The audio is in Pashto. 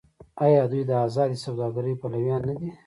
آیا دوی د ازادې سوداګرۍ پلویان نه دي؟